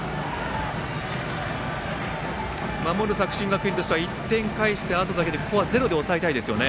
守る作新学院としては１点返したあとなだけにここはゼロで抑えたいですよね。